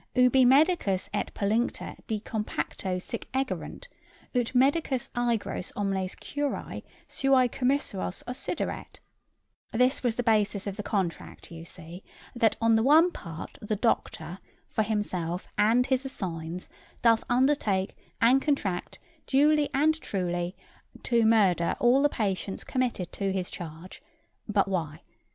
ubi medicus et pollinctor de compacto sic egerunt, ut medicus ægros omnes curæ suæ commissos occideret:' this was the basis of the contract, you see, that on the one part the doctor, for himself and his assigns, doth undertake and contract duly and truly to murder all the patients committed to his charge: but why?